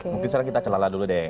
mungkin sekarang kita kelala dulu deh